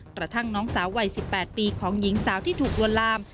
กระทั่งน้องสาววัย๑๘ปีของหญิงสาวที่ถูกลวนลาม